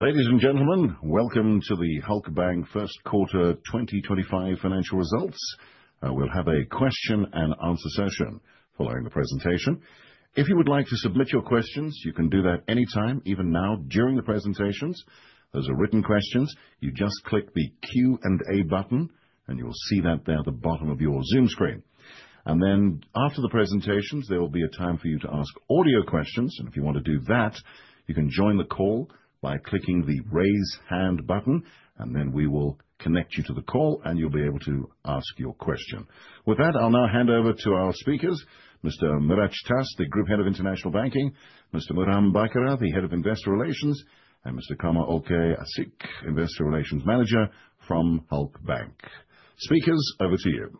Ladies and gentlemen, welcome to the Halkbank First Quarter 2025 financial results. We will have a question and answer session following the presentation. If you would like to submit your questions, you can do that anytime, even now during the presentations. Those are written questions. You just click the Q&A button, and you will see that there at the bottom of your Zoom screen. After the presentations, there will be a time for you to ask audio questions. If you want to do that, you can join the call by clicking the raise hand button, and then we will connect you to the call, and you will be able to ask your question. With that, I will now hand over to our speakers, Mr. Miraç Taş, the Group Head of International Banking; Mr. Muharrem Baykara, the Head of Investor Relations; and Mr. Kamer Olkay Asik, Investor Relations Manager from Halkbank. Speakers, over to you.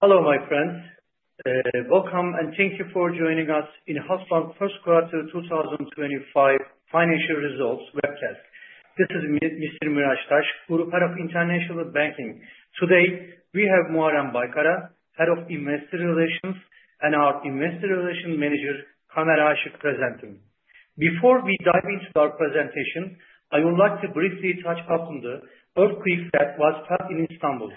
Hello, my friends. Welcome, and thank you for joining us in Halkbank First Quarter 2025 financial results Webcast. This is Mr. Miraç Taş, Group Head of International Banking. Today, we have Muharrem Baykara, Head of Investor Relations, and our Investor Relations Manager, Kemal Aşık, presenting. Before we dive into our presentation, I would like to briefly touch upon the earthquake that was felt in Istanbul.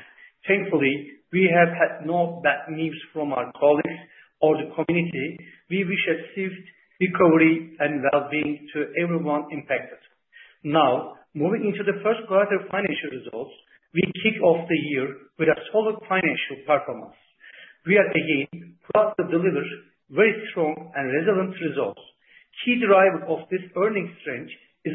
Thankfully, we have had no bad news from our colleagues or the community. We wish a swift recovery and well-being to everyone impacted. Now, moving into the First Quarter financial results, we kick off the year with a solid financial performance. We are, again, proud to deliver very strong and resilient results. Key drivers of this earnings strength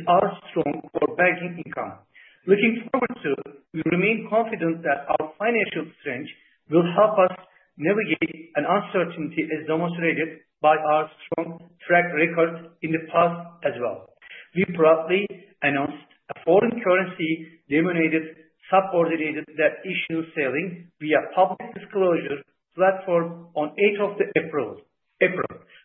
are our strong for banking income. Looking forward to, we remain confident that our financial strength will help us navigate uncertainty, as demonstrated by our strong track record in the past as well. We proudly announced a foreign currency-denominated subordinated debt issue selling via Public Disclosure Platform on April 8.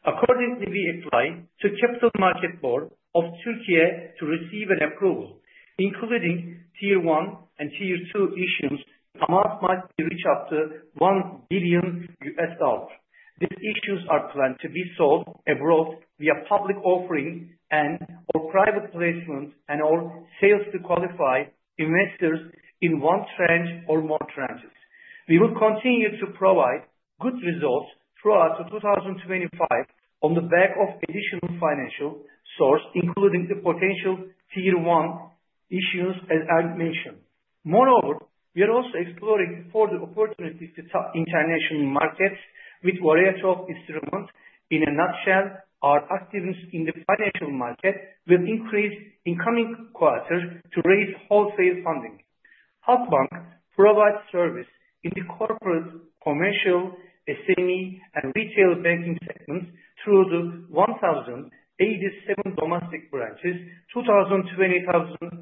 Accordingly, we apply to the Capital Markets Board of Turkey to receive an approval, including Tier 1 and Tier 2 issues. The amount might reach up to $1 billion. These issues are planned to be sold abroad via public offering and/or private placement and/or sales to qualified investors in one tranche or more tranches. We will continue to provide good results throughout 2025 on the back of additional financial sources, including the potential Tier 1 issues, as I mentioned. Moreover, we are also exploring further opportunities to tap international markets with a variety of instruments. In a nutshell, our activities in the financial market will increase in the coming quarter to raise wholesale funding. Halkbank provides services in the corporate, commercial, SME, and retail banking segments through 1,087 domestic branches, 2,020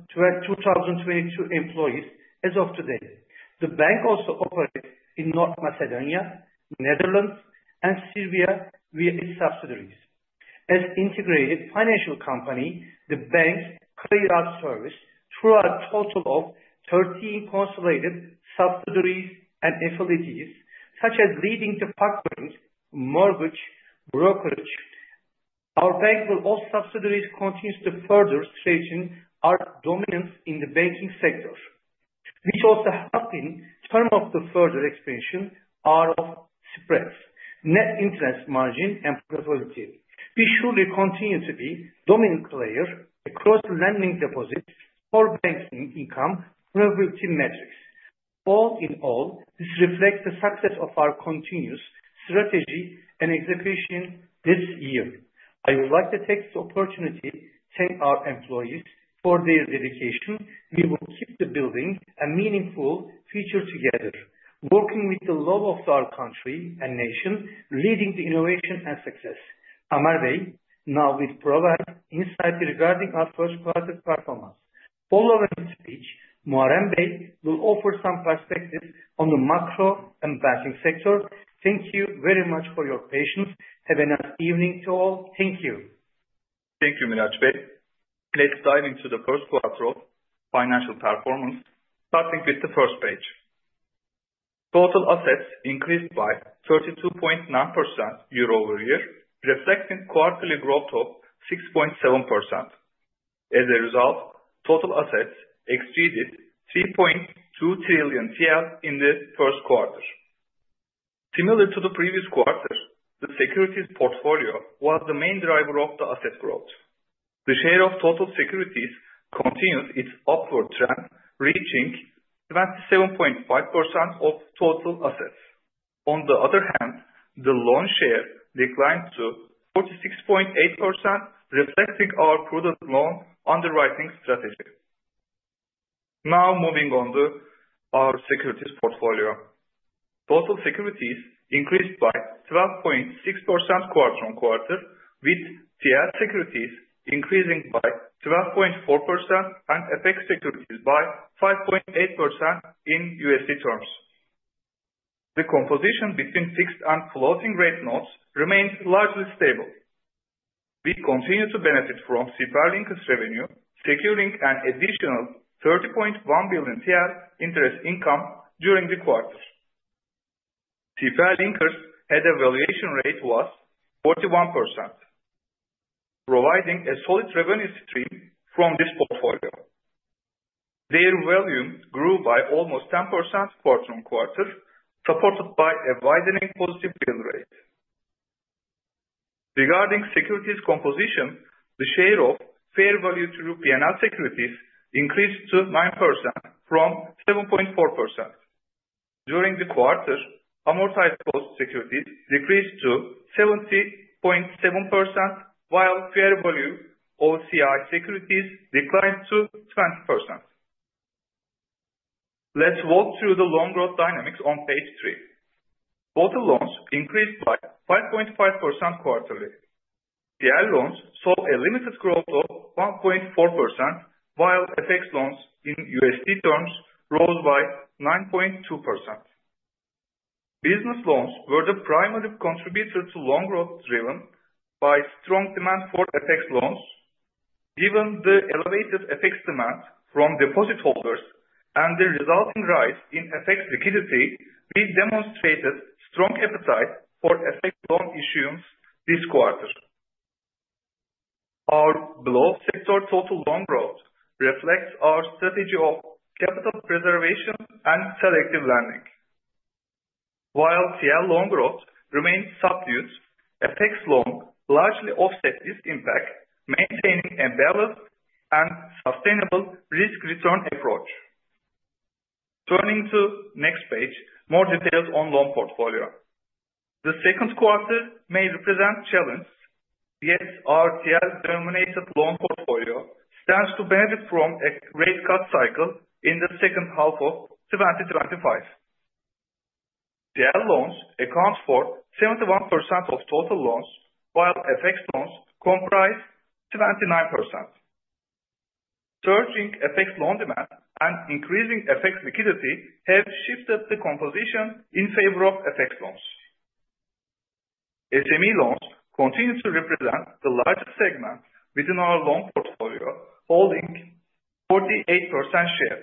employees as of today. The bank also operates in North Macedonia, the Netherlands, and Serbia via its subsidiaries. As an integrated financial company, the bank carries out services throughout a total of 13 consolidated subsidiaries and affiliates, such as leading the park branch, mortgage, brokerage. Our bank will also subsidiarize and continue to further strengthen our dominance in the banking sector. We also have been terms of further expansion are of spreads, net interest margin, and profitability. We surely continue to be a dominant player across lending deposits, for banking income, and profitability metrics. All in all, this reflects the success of our continuous strategy and execution this year. I would like to take this opportunity to thank our employees for their dedication. We will keep building a meaningful future together, working with the love of our country and nation, leading to innovation and success., now we'll provide insight regarding our First Quarter performance. Following this speech, Muharrem Bey will offer some perspectives on the macro and banking sector. Thank you very much for your patience. Have a nice evening to all. Thank you. Thank you, Murat Bey. Let's dive into the first quarter financial performance, starting with the first page. Total assets increased by 32.9% Year-over-Year, reflecting quarterly growth of 6.7%. As a result, total assets exceeded 3.2 trillion TL in the first quarter. Similar to the previous quarter, the securities portfolio was the main driver of the asset growth. The share of total securities continued its upward trend, reaching 27.5% of total assets. On the other hand, the loan share declined to 46.8%, reflecting our prudent loan underwriting strategy. Now moving on to our securities portfolio. Total securities increased by 12.6% quarter on quarter, with TRY securities increasing by 12.4% and FX securities by 5.8% in USD terms. The Composition between fixed and floating rate notes remained largely stable. We continue to benefit from SIPA Linkers' revenue, securing an additional 30.1 billion interest income during the quarter. SIPA Linkers' head valuation rate was 41%, providing a solid revenue stream from this portfolio. Their volume grew by almost 10% quarter on quarter, supported by a widening positive yield rate. Regarding securities composition, the share of fair value-to-P&L securities increased to 9% from 7.4%. During the quarter, amortized cost securities decreased to 70.7%, while fair value OCI securities declined to 20%. Let's walk through the loan growth dynamics on page three. Total loans increased by 5.5% quarterly. TL loans saw a limited growth of 1.4%, while FX loans in USD terms rose by 9.2%. Business loans were the primary contributor to loan growth, driven by strong demand for FX loans. Given the elevated FX demand from deposit holders and the resulting rise in FX liquidity, we demonstrated strong appetite for FX loan issuance this quarter. Our below-sector total loan growth reflects our strategy of capital preservation and selective lending. While TL loan growth remained subdued, FX loans largely offset this impact, maintaining a balanced and sustainable risk-return approach. Turning to the next page, more details on the loan portfolio. The second quarter may represent challenges, yet our TL-denominated loan portfolio stands to benefit from a rate cut cycle in the second half of 2025. TL loans account for 71% of total loans, while FX loans comprise 29%. Surging FX loan demand and increasing FX liquidity have shifted the composition in favor of FX loans. SME loans continue to represent the largest segment within our loan portfolio, holding 48% share.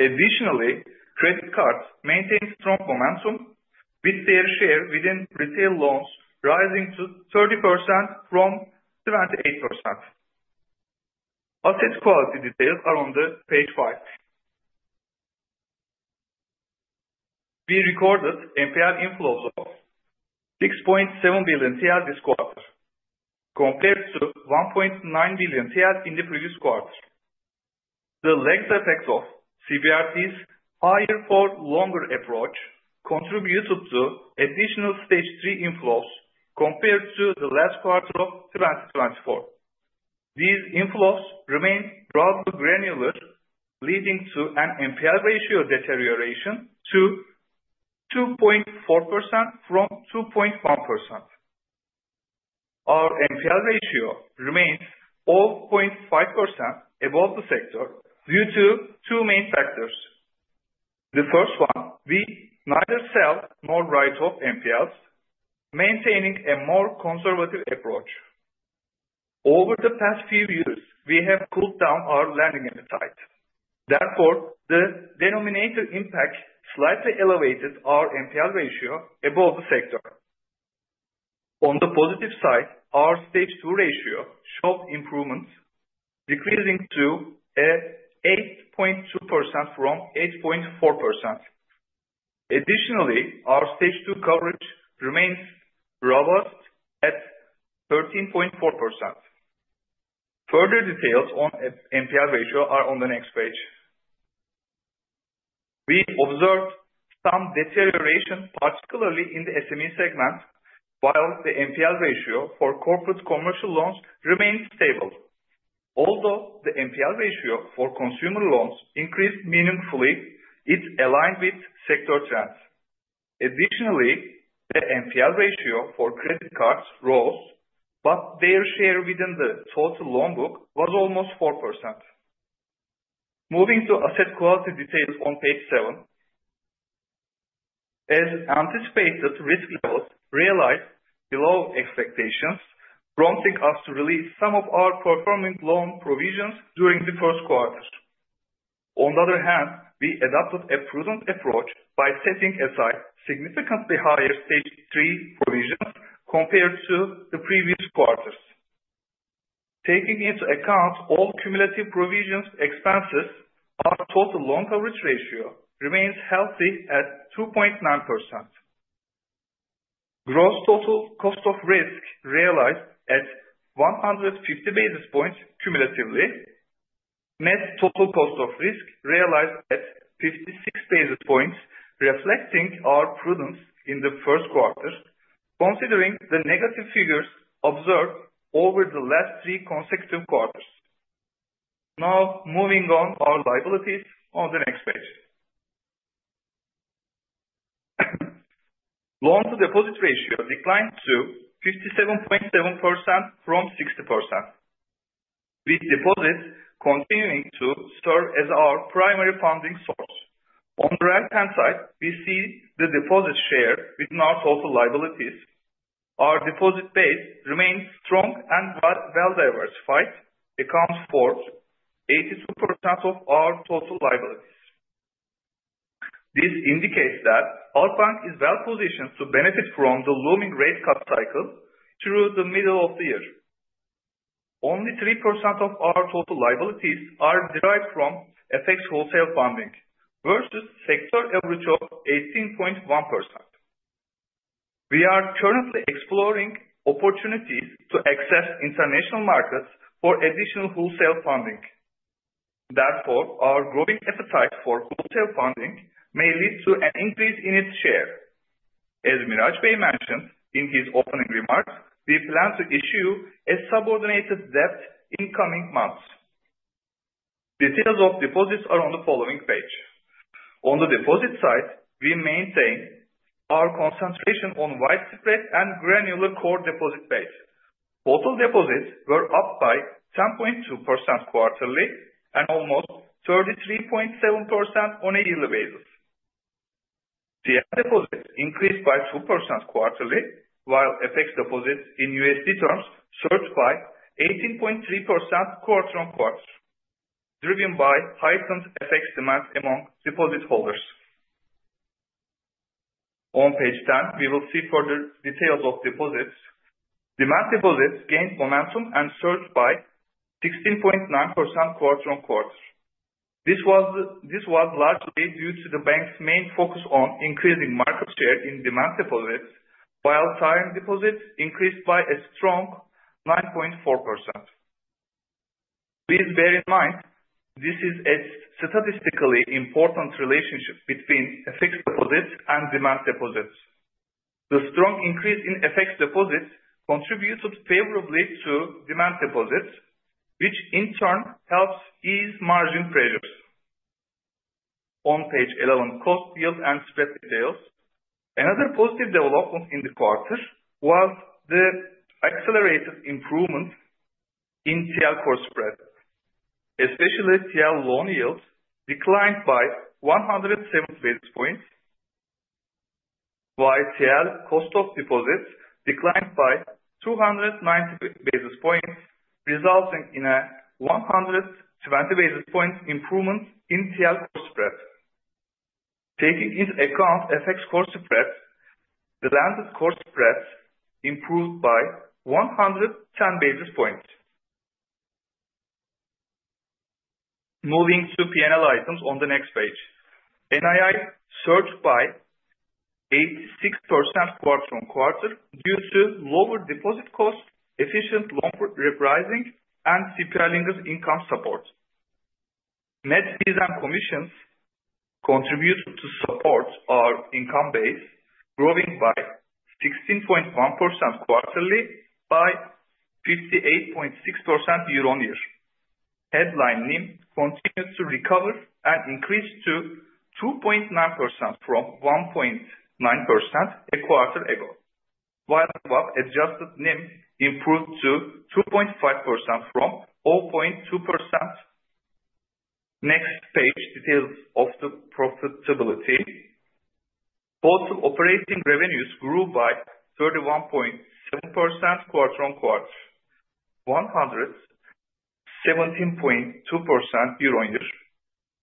Additionally, credit cards maintain strong momentum, with their share within retail loans rising to 30% from 28%. Asset quality details are on page five. We recorded MPR inflows of 6.7 billion TL this quarter, compared to 1.9 billion TL in the previous quarter. The lagged effect of CBRT's higher-for-longer approach contributed to additional stage 3 inflows compared to the last quarter of 2024. These inflows remain rather granular, leading to an MPR ratio deterioration to 2.4% from 2.1%. Our MPR ratio remains 0.5% above the sector due to two main factors. The first one, we neither sell nor write off MPRs, maintaining a more conservative approach. Over the past few years, we have cooled down our lending appetite. Therefore, the denominator impact slightly elevated our MPR ratio above the sector. On the positive side, our stage 2 ratio showed improvements, decreasing to 8.2% from 8.4%. Additionally, our stage 2 coverage remains robust at 13.4%. Further details on MPR ratio are on the next page. We observed some deterioration, particularly in the SME segment, while the MPR ratio for corporate commercial loans remained stable. Although the MPR ratio for consumer loans increased meaningfully, it aligned with sector trends. Additionally, the MPR ratio for credit cards rose, but their share within the total loan book was almost 4%. Moving to asset quality details on page seven, as anticipated, risk levels realized below expectations, prompting us to release some of our performing loan provisions during the first quarter. On the other hand, we adopted a prudent approach by setting aside significantly higher stage 3 provisions compared to the previous quarters. Taking into account all cumulative provisions expenses, our total loan coverage ratio remains healthy at 2.9%. Gross total cost of risk realized at 150 basis points cumulatively met total cost of risk realized at 56 basis points, reflecting our prudence in the first quarter, considering the negative figures observed over the last three consecutive quarters. Now moving on to our liabilities on the next page. Loan-to-deposit ratio declined to 57.7% from 60%, with deposits continuing to serve as our primary funding source. On the right-hand side, we see the deposit share within our total liabilities. Our deposit base remains strong and well-diversified, accounting for 82% of our total liabilities. This indicates that Halkbank is well-positioned to benefit from the looming rate cut cycle through the middle of the year. Only 3% of our total liabilities are derived from FX wholesale funding versus sector average of 18.1%. We are currently exploring opportunities to access international markets for additional wholesale funding. Therefore, our growing appetite for wholesale funding may lead to an increase in its share. As Miraç Taş mentioned in his opening remarks, we plan to issue a subordinated debt in coming months. Details of deposits are on the following page. On the deposit side, we maintain our concentration on widespread and granular core deposit base. Total deposits were up by 10.2% quarterly and almost 33.7% on a yearly basis. TL deposits increased by 2% quarterly, while FX deposits in USD terms surged by 18.3% quarter on quarter, driven by heightened FX demand among deposit holders. On page 10, we will see further details of deposits. Demand deposits gained momentum and surged by 16.9% quarter on quarter. This was largely due to the bank's main focus on increasing market share in demand deposits, while TL deposits increased by a strong 9.4%. Please bear in mind this is a statistically important relationship between FX deposits and demand deposits. The strong increase in FX deposits contributed favorably to demand deposits, which in turn helped ease margin pressures. On page 11, cost, yield, and spread details. Another positive development in the quarter was the accelerated improvement in TL core spread, especially TL loan yield declined by 107 basis points, while TL cost of deposits declined by 290 basis points, resulting in a 120 basis point improvement in TL core spread. Taking into account FX core spreads, the lender's core spreads improved by 110 basis points. Moving to P&L items on the next page. NII surged by 86% quarter on quarter due to lower deposit cost, efficient loan repricing, and SIPA Linkers' income support. Net fees and commissions contributed to support our income base, growing by 16.1% quarterly by 58.6% Year-on-Year. Headline NIM continued to recover and increased to 2.9% from 1.9% a quarter ago, while the adjusted NIM improved to 2.5% from 0.2%. Next page, details of the profitability. Total operating revenues grew by 31.7% quarter on quarter, 117.2% Year-on-Year,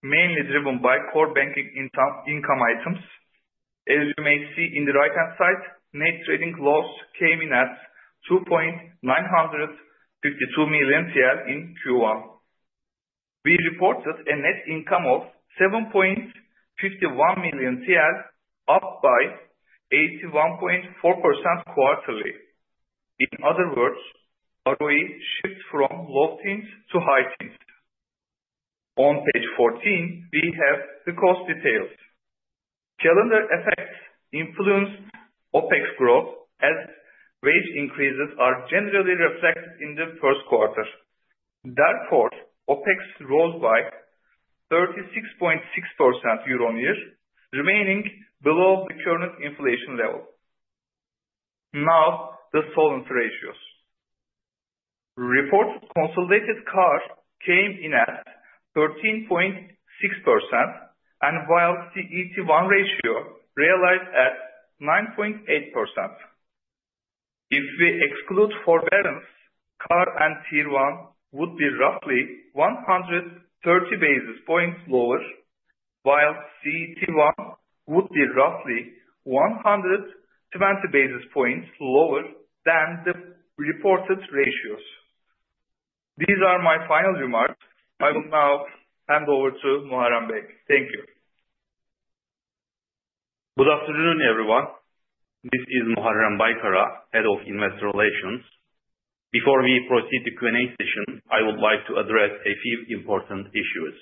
mainly driven by core banking income items. As you may see in the right-hand side, net trading loss came in at TL 2,952 million in Q1. We reported a net income of TL 7.51 million, up by 81.4% quarterly. In other words, ROE shifted from low teens to high teens. On page 14, we have the cost details. Calendar effects influenced OpEx growth, as wage increases are generally reflected in the first quarter. Therefore, OpEx rose by 36.6% Year-on-Year, remaining below the current inflation level. Now, the solvent ratios. Reported consolidated CAR came in at 13.6%, and while CET1 ratio realized at 9.8%. If we exclude forbearance, CAR and Tier 1 would be roughly 130 basis points lower, while CET1 would be roughly 120 basis points lower than the reported ratios. These are my final remarks. I will now hand over to Muharrem Baykara. Thank you. Good afternoon, everyone. This is Muharrem Baykara, Head of Investor Relations. Before we proceed to Q&A session, I would like to address a few important issues.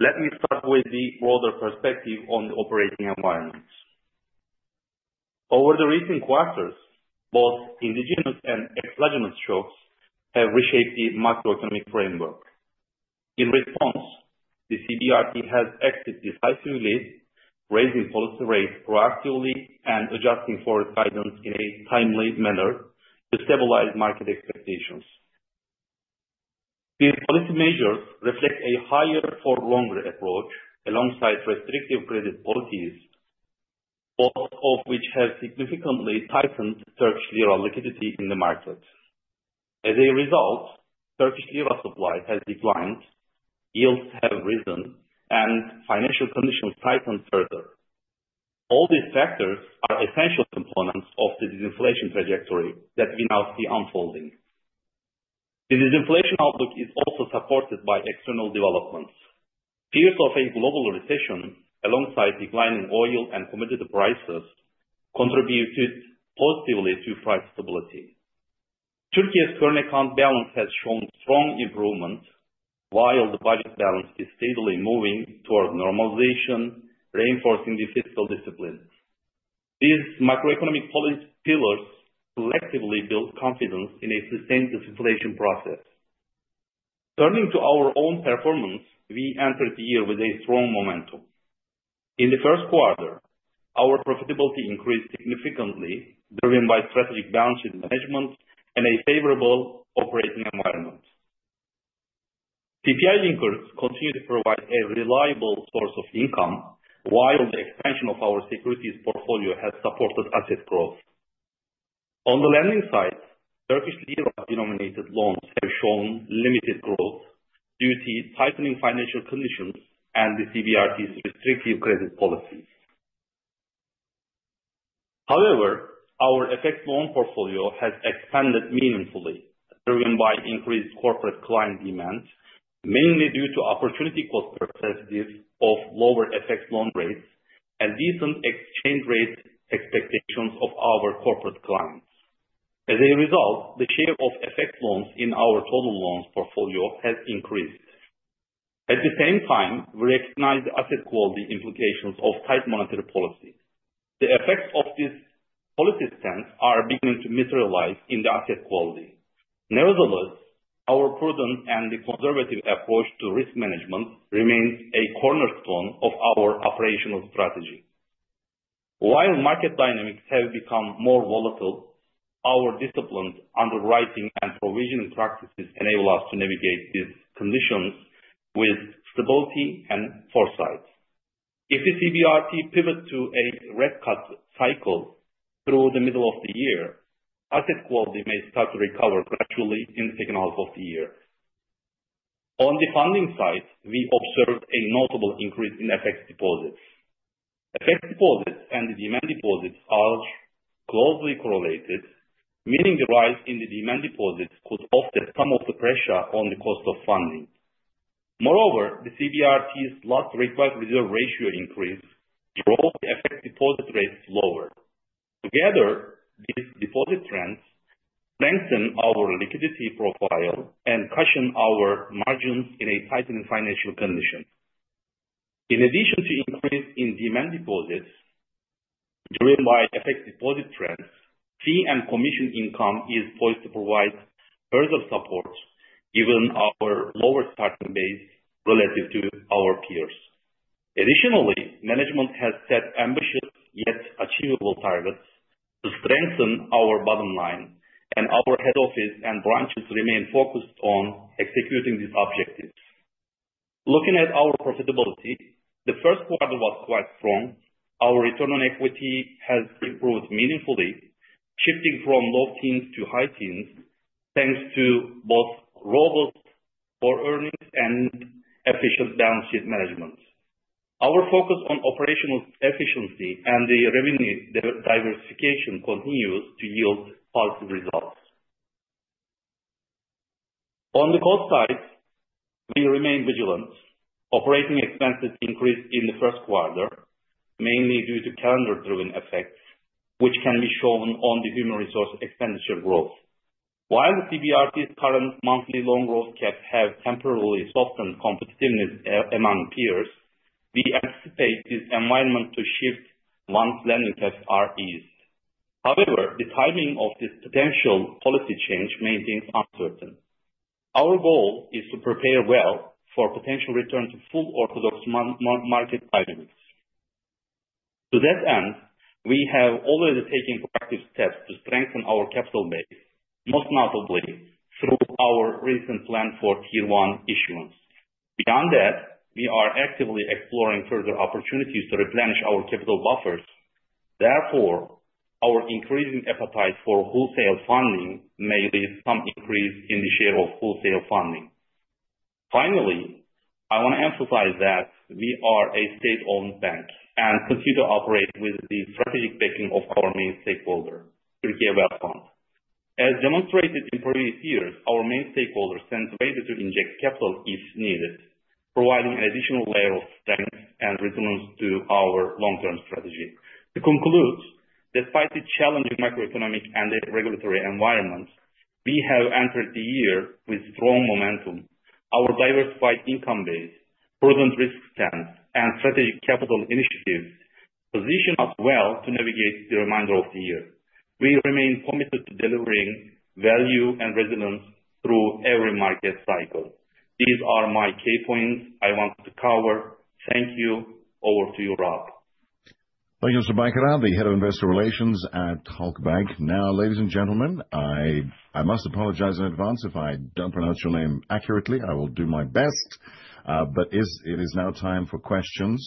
Let me start with the broader perspective on the operating environment. Over the recent quarters, both indigenous and exogenous shocks have reshaped the macroeconomic framework. In response, the CBRT has acted decisively, raising policy rates proactively and adjusting for its guidance in a timely manner to stabilize market expectations. These policy measures reflect a higher-for-longer approach alongside restrictive credit policies, both of which have significantly tightened Turkish lira liquidity in the market. As a result, Turkish lira supply has declined, yields have risen, and financial conditions tightened further. All these factors are essential components of the disinflation trajectory that we now see unfolding. The disinflation outlook is also supported by external developments. Fears of a global recession, alongside declining oil and commodity prices, contributed positively to price stability. Türkiye's current account balance has shown strong improvements, while the budget balance is steadily moving toward normalization, reinforcing the fiscal discipline. These macroeconomic policy pillars collectively build confidence in a sustained disinflation process. Turning to our own performance, we entered the year with a strong momentum. In the first quarter, our profitability increased significantly, driven by strategic balance sheet management and a favorable operating environment. PPI linkers continue to provide a reliable source of income, while the expansion of our securities portfolio has supported asset growth. On the lending side, Turkish lira-denominated loans have shown limited growth due to tightening financial conditions and the CBRT's restrictive credit policies. However, our FX loan portfolio has expanded meaningfully, driven by increased corporate client demand, mainly due to opportunity-cost perspective of lower FX loan rates and decent exchange rate expectations of our corporate clients. As a result, the share of FX loans in our total loans portfolio has increased. At the same time, we recognize the asset quality implications of tight monetary policy. The effects of this policy stance are beginning to materialize in the asset quality. Nevertheless, our prudent and conservative approach to risk management remains a cornerstone of our operational strategy. While market dynamics have become more volatile, our disciplined underwriting and provisioning practices enable us to navigate these conditions with stability and foresight. If the CBRT pivots to a rate cut cycle through the middle of the year, asset quality may start to recover gradually in the second half of the year. On the funding side, we observed a notable increase in FX deposits. FX deposits and demand deposits are closely correlated, meaning the rise in the demand deposits could offset some of the pressure on the cost of funding. Moreover, the CBRT's last rate-wise reserve ratio increase drove the FX deposit rates lower. Together, these deposit trends strengthen our liquidity profile and cushion our margins in a tightening financial condition. In addition to the increase in demand deposits, driven by FX deposit trends, fee and commission income is poised to provide further support, given our lower starting base relative to our peers. Additionally, management has set ambitious yet achievable targets to strengthen our bottom line, and our head office and branches remain focused on executing these objectives. Looking at our profitability, the first quarter was quite strong. Our return on equity has improved meaningfully, shifting from low teens to high teens, thanks to both robust core earnings and efficient balance sheet management. Our focus on operational efficiency and the revenue diversification continues to yield positive results. On the cost side, we remain vigilant. Operating expenses increased in the first quarter, mainly due to calendar-driven effects, which can be shown on the human resource expenditure growth. While the CBRT's current monthly loan growth caps have temporarily softened competitiveness among peers, we anticipate this environment to shift once lending caps are eased. However, the timing of this potential policy change remains uncertain. Our goal is to prepare well for potential return to full orthodox market dynamics. To that end, we have already taken proactive steps to strengthen our capital base, most notably through our recent plan for Tier 1 issuance. Beyond that, we are actively exploring further opportunities to replenish our capital buffers. Therefore, our increasing appetite for wholesale funding may lead to some increase in the share of wholesale funding. Finally, I want to emphasize that we are a state-owned bank and continue to operate with the strategic backing of our main stakeholder, Türkiye Halk Bankası. As demonstrated in previous years, our main stakeholder stands ready to inject capital if needed, providing an additional layer of strength and resilience to our long-term strategy. To conclude, despite the challenging macroeconomic and regulatory environment, we have entered the year with strong momentum. Our diversified income base, prudent risk stance, and strategic capital initiatives position us well to navigate the remainder of the year. We remain committed to delivering value and resilience through every market cycle. These are my key points I wanted to cover. Thank you. Over to you, Rob. Thank you, Mr. Baykara, the Head of Investor Relations at Halkbank. Now, ladies and gentlemen, I must apologize in advance if I do not pronounce your name accurately. I will do my best. It is now time for questions.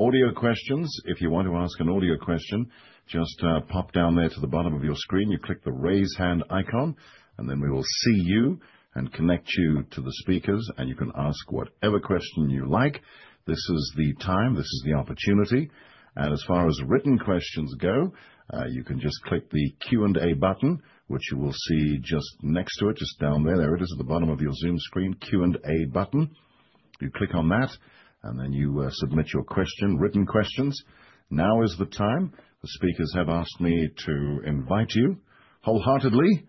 Audio questions. If you want to ask an audio question, just pop down there to the bottom of your screen. You click the raise hand icon, and then we will see you and connect you to the speakers, and you can ask whatever question you like. This is the time. This is the opportunity. As far as written questions go, you can just click the Q&A button, which you will see just next to it, just down there. There it is at the bottom of your Zoom screen, Q&A button. You click on that, and then you submit your question, written questions. Now is the time. The speakers have asked me to invite you wholeheartedly to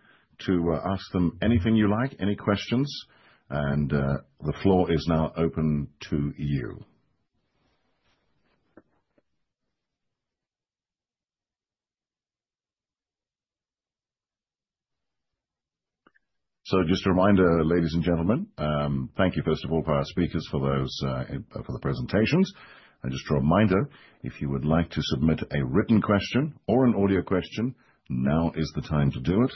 ask them anything you like, any questions. The floor is now open to you. Just a reminder, ladies and gentlemen, thank you first of all to our speakers for the presentations. Just a reminder, if you would like to submit a written question or an audio question, now is the time to do it.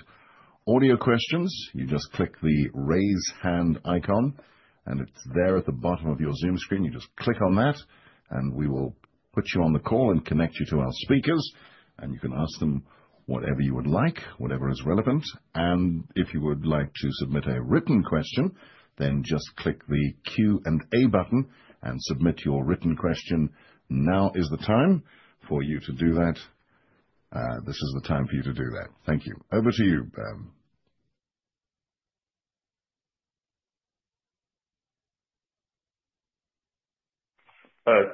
Audio questions, you just click the raise hand icon, and it is there at the bottom of your Zoom screen. You just click on that, and we will put you on the call and connect you to our speakers, and you can ask them whatever you would like, whatever is relevant. If you would like to submit a written question, then just click the Q&A button and submit your written question. Now is the time for you to do that. This is the time for you to do that. Thank you. Over to you,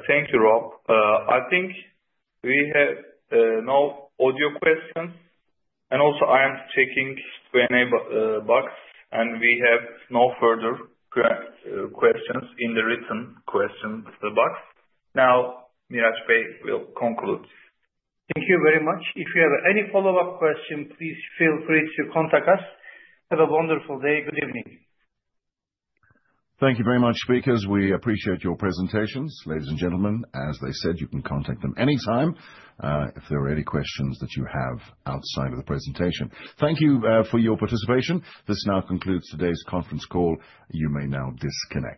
thank you, Rob. I think we have no audio questions. Also, I am checking the Q&A box, and we have no further questions in the written question box. Now, Mirac Bey will conclude. Thank you very much. If you have any follow-up questions, please feel free to contact us. Have a wonderful day. Good evening. Thank you very much, speakers. We appreciate your presentations, ladies and gentlemen. As they said, you can contact them anytime if there are any questions that you have outside of the presentation. Thank you for your participation. This now concludes today's conference call. You may now disconnect.